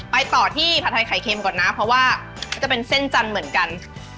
ต่อที่ผัดไทยไข่เค็มก่อนนะเพราะว่าจะเป็นเส้นจันทร์เหมือนกัน